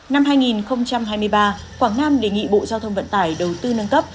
năm hai nghìn hai mươi ba quảng nam đề nghị bộ giao thông vận tải đầu tư nâng cấp